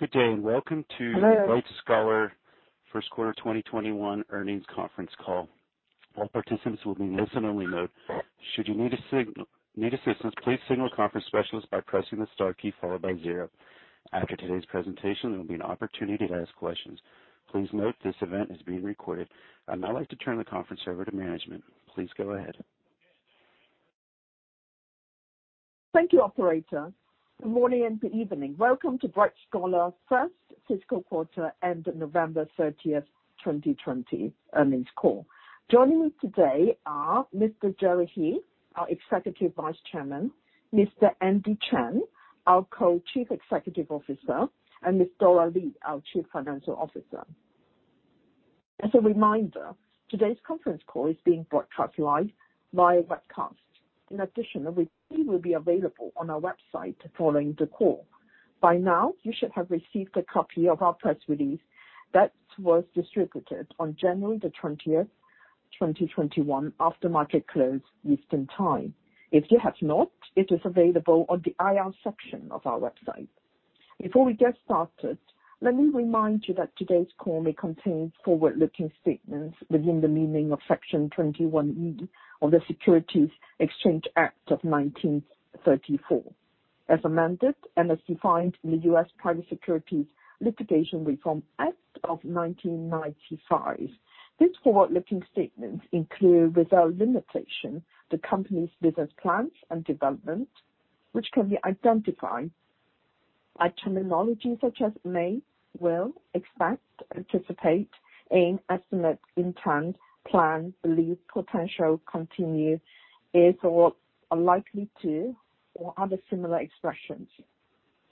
Good day and welcome. Hello Bright Scholar first quarter 2021 earnings conference call. All participants will be in listen only mode. Should you need assistance, please signal the conference specialist by pressing the star key followed by zero. After today's presentation, there will be an opportunity to ask questions. Please note this event is being recorded. I'd now like to turn the conference over to management. Please go ahead. Thank you, operator. Good morning and good evening. Welcome to Bright Scholar first fiscal quarter and November 30th, 2020 earnings call. Joining me today are Mr. Jerry He, our Executive Vice Chairman, Mr. Andy Chen, our Co-Chief Executive Officer, Ms. Dora Li, our Chief Financial Officer. As a reminder, today's conference call is being broadcast live via webcast. In addition, a replay will be available on our website following the call. By now, you should have received a copy of our press release that was distributed on January 20th, 2021, after market close, Eastern Time. If you have not, it is available on the IR section of our website. Before we get started, let me remind you that today's call may contain forward-looking statements within the meaning of Section 21E of the Securities Exchange Act of 1934, as amended and as defined in the U.S. Private Securities Litigation Reform Act of 1995. These forward-looking statements include, without limitation, the company's business plans and development, which can be identified by terminology such as may, will, expect, anticipate, aim, estimate, intend, plan, believe, potential, continue, is or are likely to, or other similar expressions.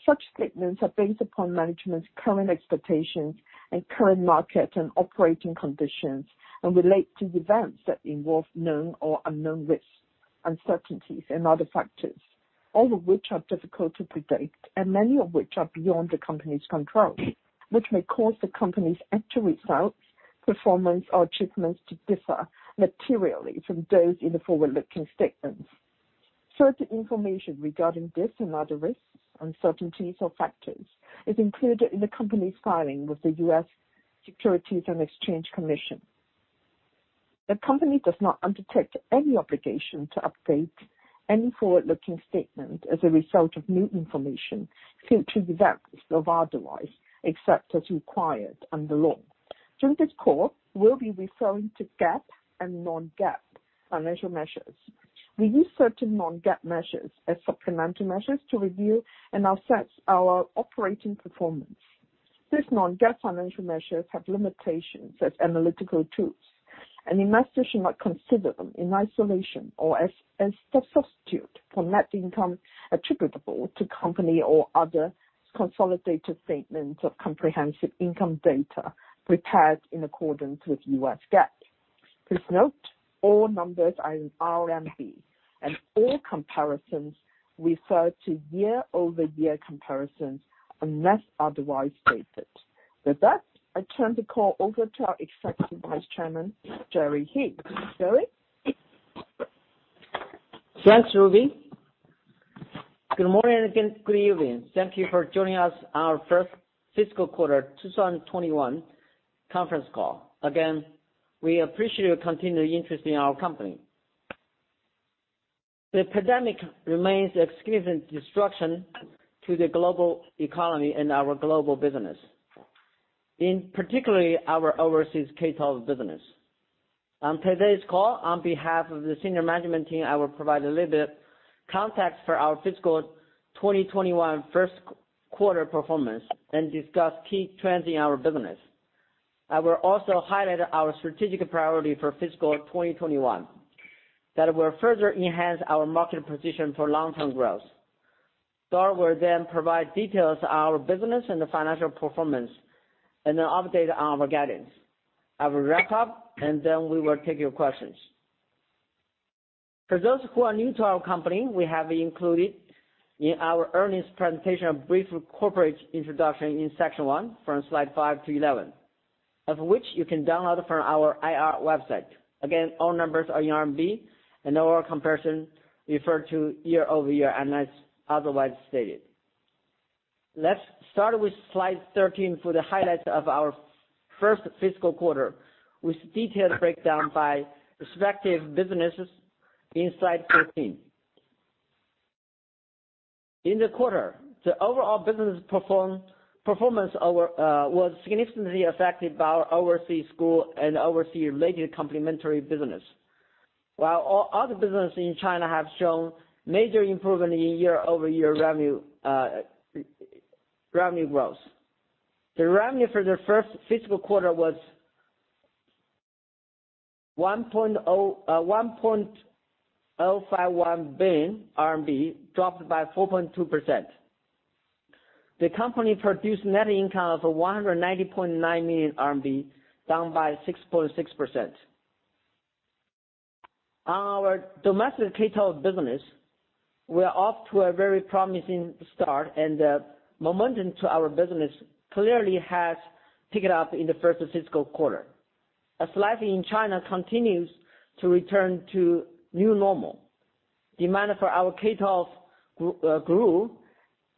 Such statements are based upon management's current expectations and current market and operating conditions, and relate to events that involve known or unknown risks, uncertainties, and other factors. All of which are difficult to predict and many of which are beyond the company's control, which may cause the company's actual results, performance or achievements to differ materially from those in the forward-looking statements. Certain information regarding this and other risks, uncertainties or factors, is included in the company's filing with the U.S. Securities and Exchange Commission. The company does not undertake any obligation to update any forward-looking statement as a result of new information, future events or otherwise, except as required under law. During this call, we'll be referring to GAAP and non-GAAP financial measures. We use certain non-GAAP measures as supplemental measures to review and assess our operating performance. These non-GAAP financial measures have limitations as analytical tools, and investors should not consider them in isolation or as a substitute for net income attributable to company or other consolidated statements of comprehensive income data prepared in accordance with U.S. GAAP. Please note all numbers are in RMB, and all comparisons refer to year-over-year comparisons unless otherwise stated. With that, I turn the call over to our Executive Vice Chairman, Jerry He. Jerry? Thanks, Ruby. Good morning and good evening. Thank you for joining us, our first fiscal quarter 2021 conference call. Again, we appreciate your continued interest in our company. The pandemic remains a significant disruption to the global economy and our global business, in particular, our overseas K12 business. On today's call, on behalf of the senior management team, I will provide a little bit context for our fiscal 2021 first quarter performance and discuss key trends in our business. I will also highlight our strategic priority for fiscal 2021, that will further enhance our market position for long-term growth. Dora will then provide details of our business and the financial performance, and an update on our guidance. I will wrap up and then we will take your questions. For those who are new to our company, we have included in our earnings presentation, a brief corporate introduction in section one, from slide five to 11, of which you can download from our IR website. Again, all numbers are in RMB, and all comparison refer to year-over-year, unless otherwise stated. Let's start with slide 13 for the highlights of our first fiscal quarter, with detailed breakdown by respective businesses in slide 14. In the quarter, the overall business performance was significantly affected by our overseas school and overseas-related complementary business. Our other business in China have shown major improvement in year-over-year revenue growth. The revenue for the first fiscal quarter was RMB 1.051 billion, dropped by 4.2%. The company produced net income of 190.9 million RMB, down by 6.6%. Our domestic K12 business were off to a very promising start, and the momentum to our business clearly has picked up in the first fiscal quarter. As life in China continues to return to new normal. Demand for our K12 grew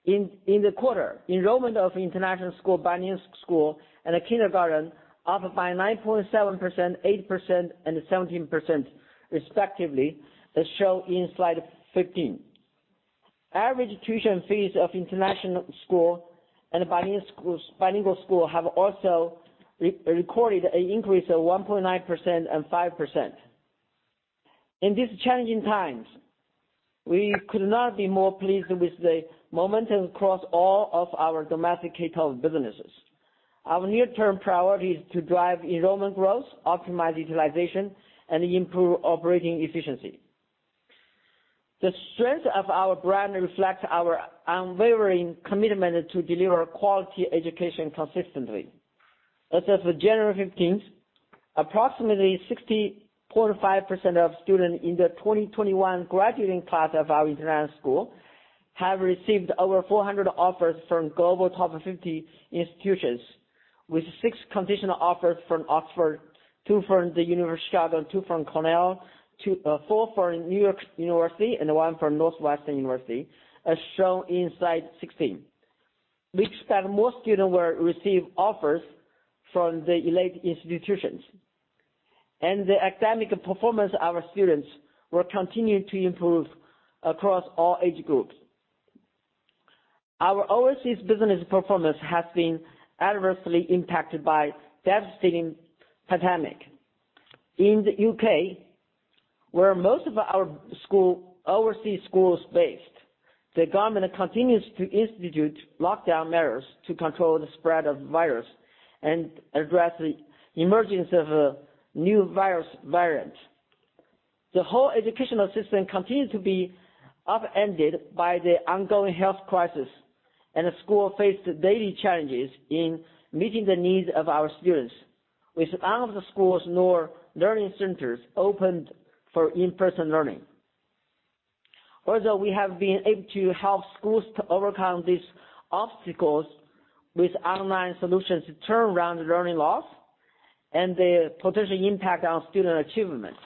in the quarter. Enrollment of international school, bilingual school, and kindergarten up by 9.7%, 8%, and 17% respectively, as shown in slide 15. Average tuition fees of international school and bilingual school have also recorded an increase of 1.9% and 5%. In these challenging times, we could not be more pleased with the momentum across all of our domestic K12 businesses. Our near-term priority is to drive enrollment growth, optimize utilization, and improve operating efficiency. The strength of our brand reflects our unwavering commitment to deliver quality education consistently. As of January 15th, approximately 60.5% of students in the 2021 graduating class of our international school have received over 400 offers from global top 50 institutions, with six conditional offers from Oxford, two from the University of Chicago, two from Cornell, four from New York University, and one from Northwestern University, as shown in slide 16. We expect more students will receive offers from the elite institutions, and the academic performance of our students will continue to improve across all age groups. Our overseas business performance has been adversely impacted by devastating pandemic. In the U.K., where most of our overseas school is based, the government continues to institute lockdown measures to control the spread of the virus and address the emergence of a new virus variant. The whole educational system continues to be upended by the ongoing health crisis, and the schools face daily challenges in meeting the needs of our students, with none of the schools nor learning centers opened for in-person learning. Although we have been able to help schools to overcome these obstacles with online solutions to turn around the learning loss and the potential impact on student achievement.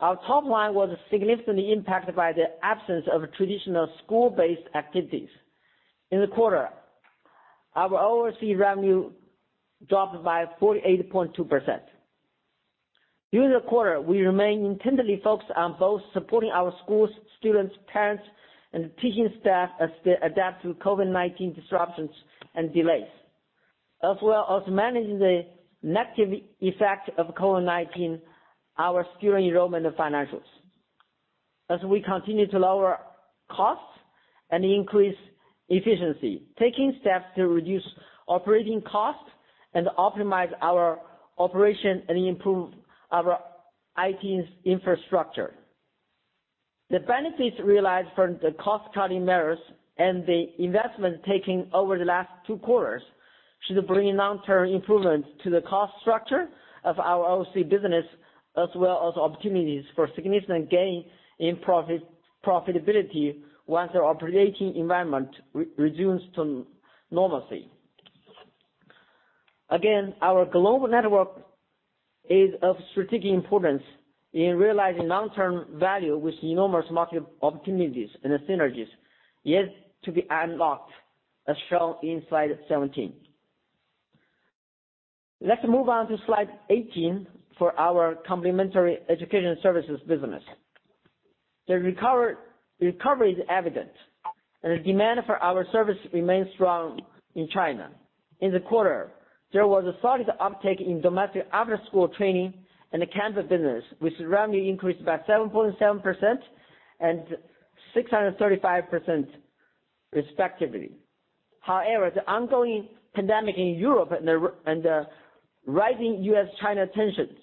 Our top line was significantly impacted by the absence of traditional school-based activities. In the quarter, our overseas revenue dropped by 48.2%. During the quarter, we remain intently focused on both supporting our schools, students, parents, and teaching staff as they adapt to COVID-19 disruptions and delays, as well as managing the negative effect of COVID-19, our student enrollment and financials. As we continue to lower costs and increase efficiency, taking steps to reduce operating costs and optimize our operation and improve our IT infrastructure. The benefits realized from the cost-cutting measures and the investment taking over the last two quarters should bring long-term improvements to the cost structure of our overseas business, as well as opportunities for significant gain in profitability once our operating environment resumes to normalcy. Again, our global network is of strategic importance in realizing long-term value with enormous market opportunities and synergies yet to be unlocked, as shown in slide 17. Let's move on to slide 18 for our complementary education services business. The recovery is evident, and the demand for our service remains strong in China. In the quarter, there was a solid uptake in domestic after-school training and the campus business, with revenue increased by 7.7% and 635% respectively. However, the ongoing pandemic in Europe and the rising U.S.-China tensions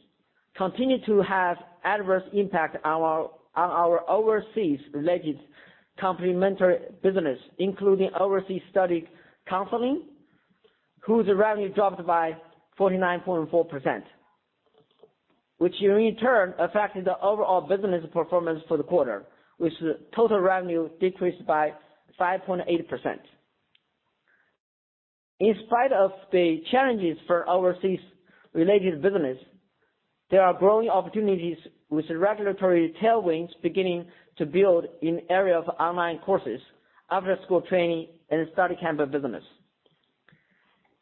continue to have adverse impact on our overseas-related complementary business, including overseas study counseling, whose revenue dropped by 49.4%, which in return affected the overall business performance for the quarter, with total revenue decreased by 5.8%. In spite of the challenges for overseas-related business, there are growing opportunities with regulatory tailwinds beginning to build in area of online courses, after-school training, and study campus business.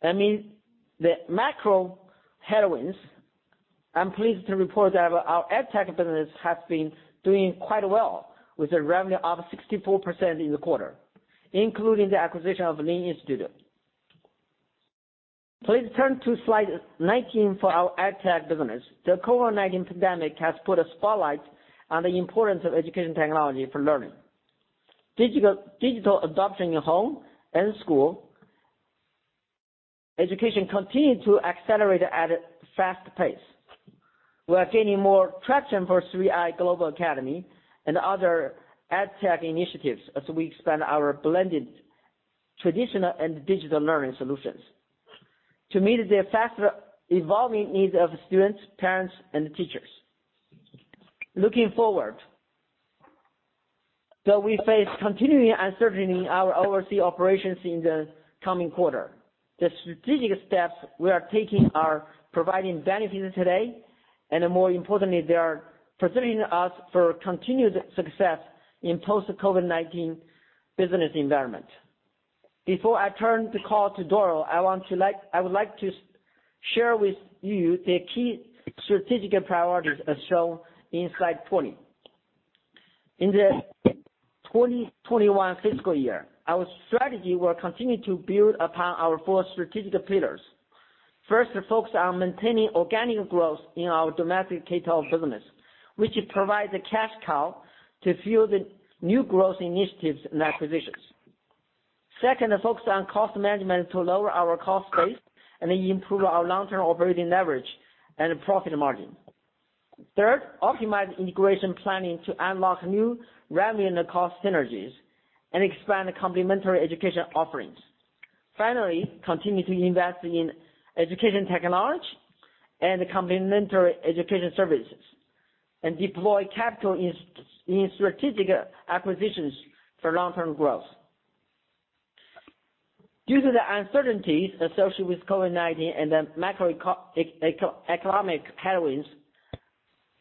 Amid the macro headwinds, I'm pleased to report that our edtech business has been doing quite well, with a revenue up 64% in the quarter, including the acquisition of Linstitute. Please turn to slide 19 for our edtech business. The COVID-19 pandemic has put a spotlight on the importance of education technology for learning. Digital adoption in home and school education continued to accelerate at a fast pace. We are gaining more traction for 3iGlobal Academy and other edtech initiatives as we expand our blended traditional and digital learning solutions to meet the faster evolving needs of students, parents, and teachers. We face continuing uncertainty in our overseas operations in the coming quarter. The strategic steps we are taking are providing benefits today, and more importantly, they are positioning us for continued success in post-COVID-19 business environment. Before I turn the call to Dora, I would like to share with you the key strategic priorities as shown in slide 20. In the 2021 fiscal year, our strategy will continue to build upon our four strategic pillars. First, focus on maintaining organic growth in our domestic K-12 business, which provides the cash cow to fuel the new growth initiatives and acquisitions. Second, focus on cost management to lower our cost base and improve our long-term operating leverage and profit margin. Third, optimize integration planning to unlock new revenue and cost synergies and expand complementary education offerings. Finally, continue to invest in education technology and complementary education services, and deploy capital in strategic acquisitions for long-term growth. Due to the uncertainties associated with COVID-19 and the macroeconomic headwinds,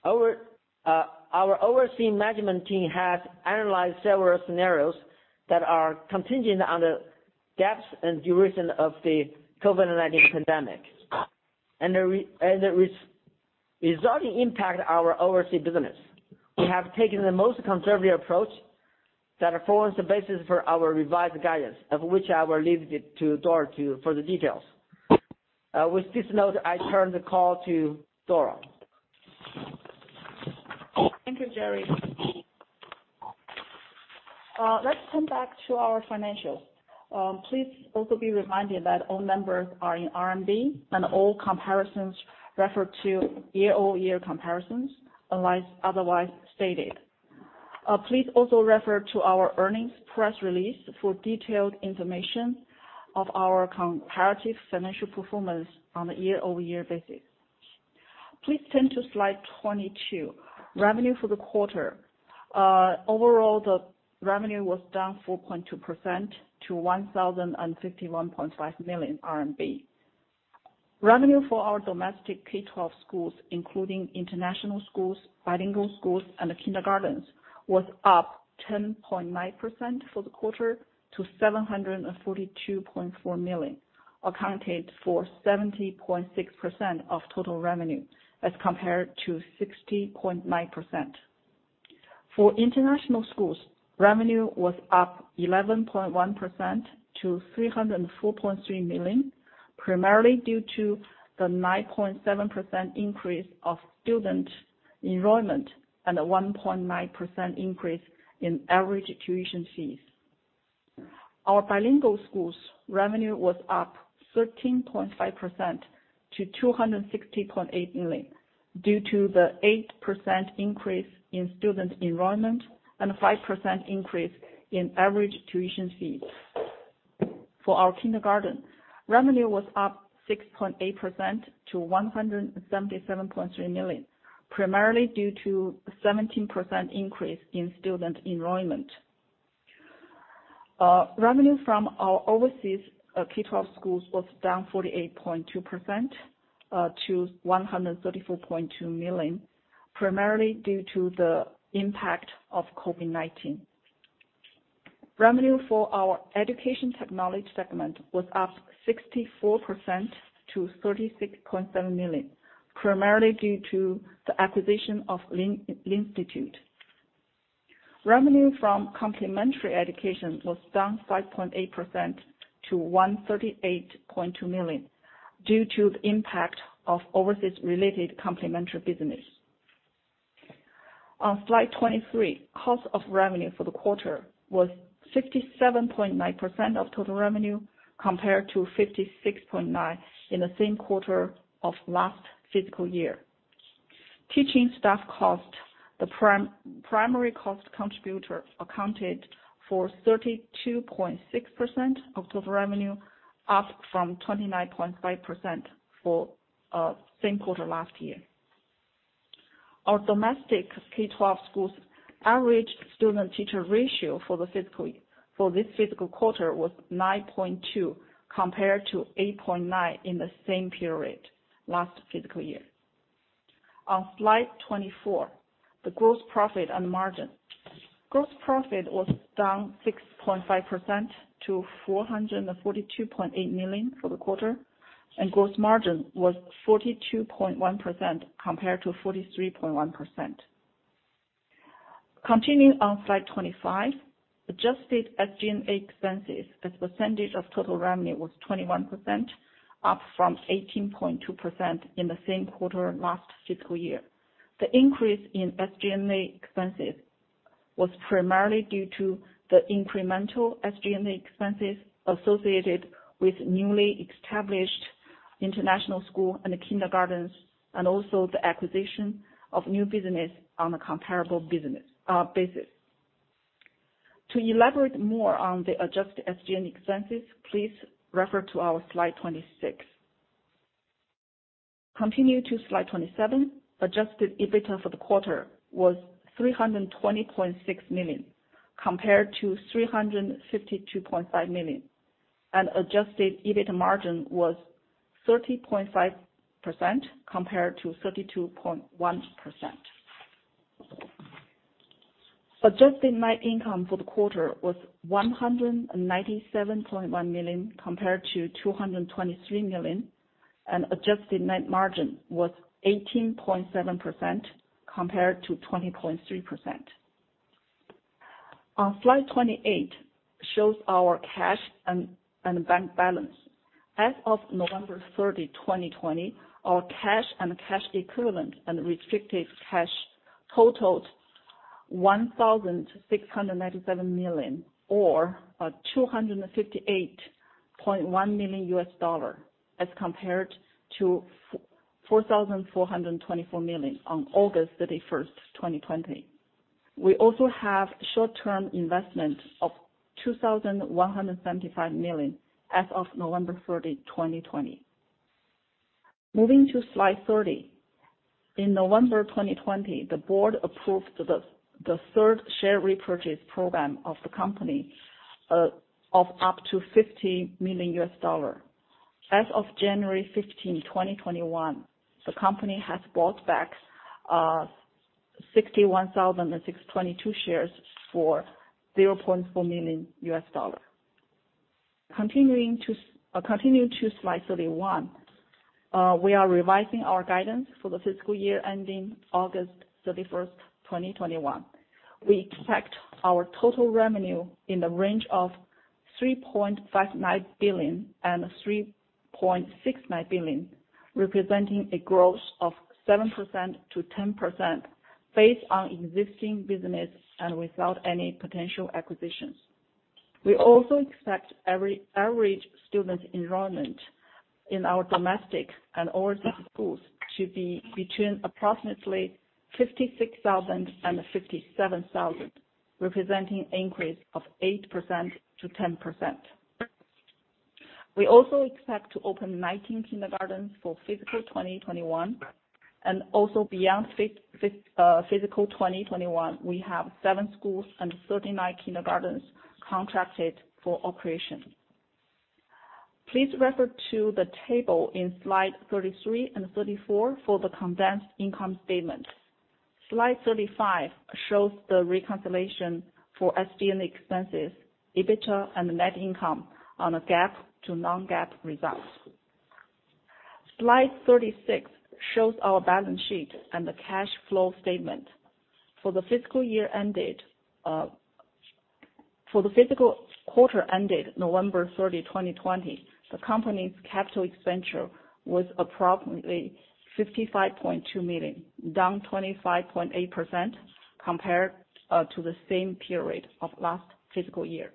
our overseas management team has analyzed several scenarios that are contingent on the gaps and duration of the COVID-19 pandemic and the resulting impact on our overseas business. We have taken the most conservative approach that forms the basis for our revised guidance, of which I will leave it to Dora for the details. With this note, I turn the call to Dora. Thank you, Jerry. Let's turn back to our financials. Please also be reminded that all numbers are in RMB and all comparisons refer to year-over-year comparisons unless otherwise stated. Please also refer to our earnings press release for detailed information of our comparative financial performance on a year-over-year basis. Please turn to slide 22. Revenue for the quarter. Overall, the revenue was down 4.2% to 1,051.5 million RMB. Revenue for our domestic K-12 schools, including international schools, bilingual schools, and kindergartens, was up 10.9% for the quarter to 742.4 million, accounted for 70.6% of total revenue as compared to 60.9%. For international schools, revenue was up 11.1% to 304.3 million, primarily due to the 9.7% increase of student enrollment and a 1.9% increase in average tuition fees. Our bilingual schools revenue was up 13.5% to 260.8 million due to the 8% increase in student enrollment and 5% increase in average tuition fees. For our kindergarten, revenue was up 6.8% to 177.3 million, primarily due to 17% increase in student enrollment. Revenue from our overseas K-12 schools was down 48.2% to 134.2 million, primarily due to the impact of COVID-19. Revenue for our education technology segment was up 64% to 36.7 million, primarily due to the acquisition of Linstitute. Revenue from complementary education was down 5.8% to 138.2 million due to the impact of overseas related complementary business. On slide 23, cost of revenue for the quarter was 57.9% of total revenue, compared to 56.9% in the same quarter of last fiscal year. Teaching staff cost, the primary cost contributor, accounted for 32.6% of total revenue, up from 29.5% for same quarter last year. Our domestic K-12 schools average student-teacher ratio for this fiscal quarter was 9.2, compared to 8.9 in the same period last fiscal year. On slide 24, the gross profit and margin. Gross profit was down 6.5% to 442.8 million for the quarter, and gross margin was 42.1% compared to 43.1%. Continuing on slide 25, adjusted SG&A expenses as percentage of total revenue was 21%, up from 18.2% in the same quarter last fiscal year. The increase in SG&A expenses was primarily due to the incremental SG&A expenses associated with newly established international school and kindergartens, and also the acquisition of new business on a comparable basis. To elaborate more on the adjusted SG&A expenses, please refer to our slide 26. Continue to slide 27. Adjusted EBITDA for the quarter was $320.6 million, compared to $352.5 million, and adjusted EBITDA margin was 30.5% compared to 32.1%. Adjusted net income for the quarter was 197.1 million compared to 223 million, and adjusted net margin was 18.7% compared to 20.3%. On slide 28, shows our cash and bank balance. As of November 30, 2020, our cash and cash equivalent and restricted cash totaled 1,697 million, or $258.1 million, as compared to 4,424 million on August 31, 2020. We also have short-term investment of 2,175 million as of November 30, 2020. Moving to slide 30. In November 2020, the board approved the third share repurchase program of the company of up to $50 million. As of January 15, 2021, the company has bought back 61,622 shares for $0.4 million. Continuing to slide 31. We are revising our guidance for the fiscal year ending August 31, 2021. We expect our total revenue in the range of 3.59 billion and 3.69 billion, representing a growth of 7%-10% based on existing business and without any potential acquisitions. We also expect average student enrollment in our domestic and overseas schools to be between approximately 56,000 and 57,000, representing increase of 8%-10%. We also expect to open 19 kindergartens for fiscal 2021, beyond fiscal 2021, we have seven schools and 39 kindergartens contracted for operation. Please refer to the table in slide 33 and 34 for the condensed income statement. Slide 35 shows the reconciliation for SGA expenses, EBITDA, and net income on a GAAP to non-GAAP results. Slide 36 shows our balance sheet and the cash flow statement. For the fiscal quarter ended November 30, 2020, the company's capital expenditure was approximately 55.2 million, down 25.8% compared to the same period of last fiscal year.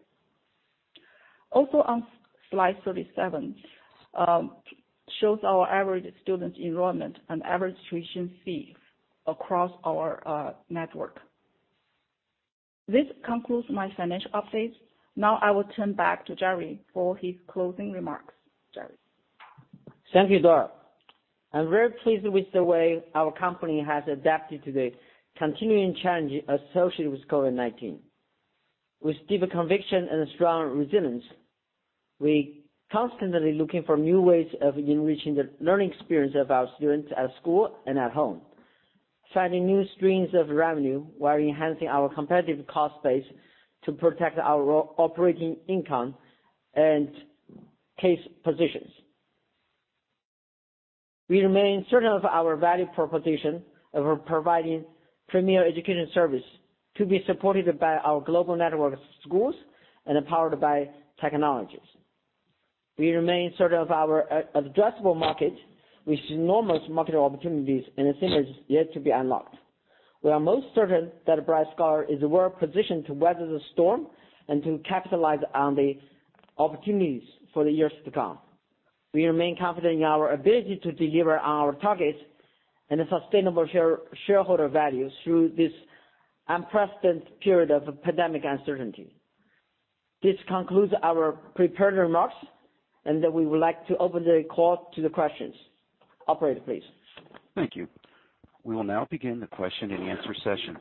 Also on slide 37, shows our average student enrollment and average tuition fees across our network. This concludes my financial updates. Now I will turn back to Jerry for his closing remarks. Jerry? Thank you, Dora. I'm very pleased with the way our company has adapted to the continuing challenges associated with COVID-19. With deep conviction and a strong resilience, we constantly looking for new ways of enriching the learning experience of our students at school and at home, finding new streams of revenue while enhancing our competitive cost base to protect our operating income and cash positions. We remain certain of our value proposition of providing premier education service to be supported by our global network of schools and powered by technologies. We remain certain of our addressable market, which is enormous market opportunities and potential is yet to be unlocked. We are most certain that Bright Scholar is well-positioned to weather the storm and to capitalize on the opportunities for the years to come. We remain confident in our ability to deliver our targets and a sustainable shareholder value through this unprecedented period of pandemic uncertainty. This concludes our prepared remarks, and then we would like to open the call to the questions. Operator, please. Thank you we will now begin the question and answer session.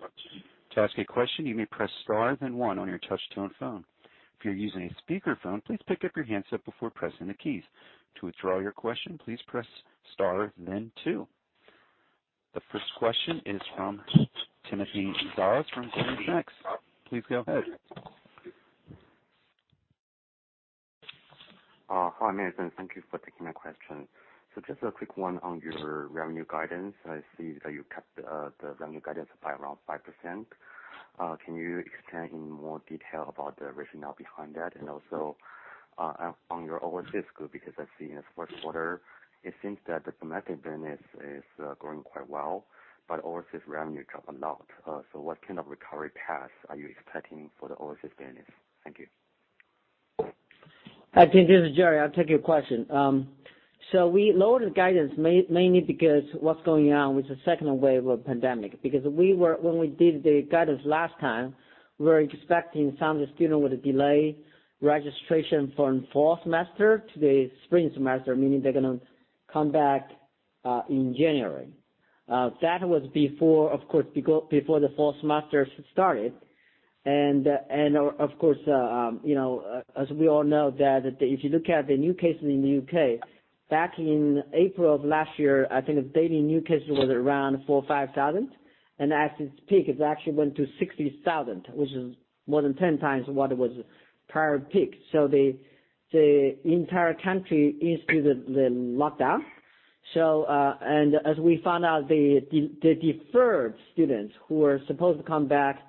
To ask a question you may press star and one on you touch tone phone. If you are using a speaker phone please pick up your headset before pressing the keys. To withdraw your questions please press star then two. The first question is from Timothy Zhao from Bernstein. Please go ahead. Hi, management. Thank you for taking my question. Just a quick one on your revenue guidance. I see that you cut the revenue guidance by around 5%. Can you expand in more detail about the rationale behind that? On your overseas school, because I see in the first quarter, it seems that the domestic business is growing quite well, but overseas revenue dropped a lot. What kind of recovery path are you expecting for the overseas business? Thank you. Hi, Tim. This is Jerry. I'll take your question. We lowered the guidance mainly because what's going on with the second wave of pandemic. When we did the guidance last time, we were expecting some of the student would delay registration from fall semester to the spring semester, meaning they're going to come back in January. That was, of course, before the fall semester started. Of course, as we all know, that if you look at the new cases in the U.K., back in April of last year, I think the daily new cases was around 4,000 or 5,000. At its peak, it actually went to 60,000, which is more than 10 times what it was prior peak. The entire country is in the lockdown. As we found out, the deferred students who were supposed to come back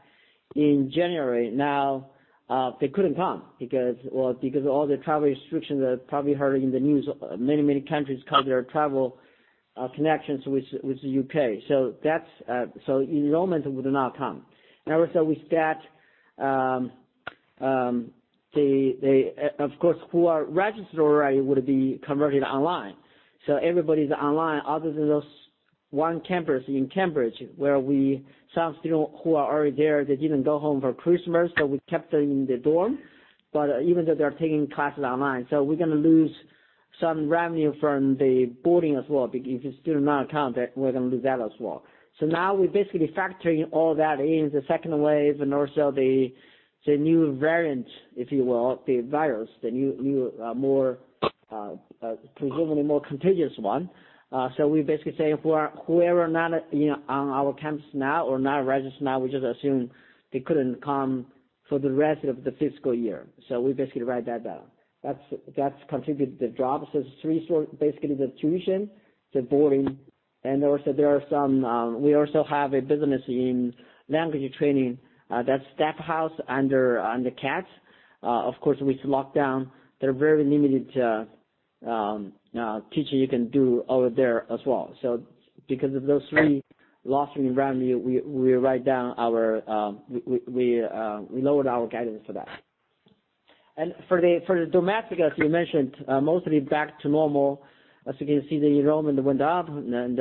in January, now they couldn't come because of all the travel restrictions. You probably heard in the news, many countries cut their travel connections with the U.K. Enrollment would not come. We stat, of course, who are registered already would be converted online. Everybody's online other than those one campus in Cambridge, where some students who are already there, they didn't go home for Christmas, we kept them in the dorm, even though they're taking classes online. We're going to lose some revenue from the boarding as well, because if the student not come, we're going to lose that as well. Now we're basically factoring all that in, the second wave, and also the new variant, if you will, the virus, presumably more contagious one. We basically say whoever not on our campus now or not registered now, we just assume they couldn't come for the rest of the fiscal year. We basically write that down. That contributed to the drop. It's three sources, basically the tuition, the boarding, and we also have a business in language training that's Stafford House under CATS. Of course, with lockdown, there are very limited teaching you can do over there as well. Because of those three loss in revenue, we lowered our guidance for that. For the domestic, as you mentioned, mostly back to normal. As you can see, the enrollment went up, and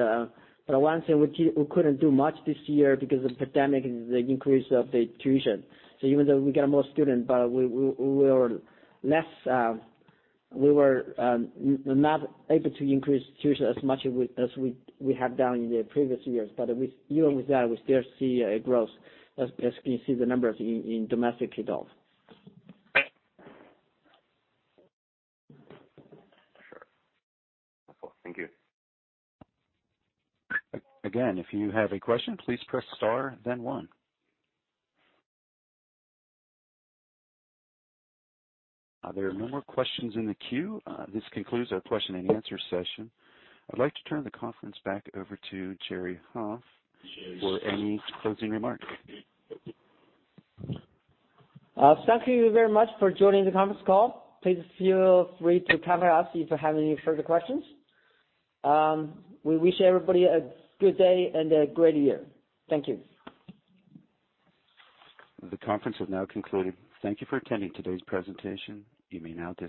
for one thing, we couldn't do much this year because of the pandemic and the increase of the tuition. Even though we got more student, we were not able to increase tuition as much as we have done in the previous years. Even with that, we still see a growth, as you can see the numbers in domestic adult. Sure. Thank you. Again, if you have a question, please press star then one. There are no more questions in the queue. This concludes our question and answer session. I'd like to turn the conference back over to Jerry He for any closing remarks. Thank you very much for joining the conference call. Please feel free to contact us if you have any further questions. We wish everybody a good day and a great year. Thank you. The conference has now concluded. Thank you for attending today's presentation. You may now disconnect.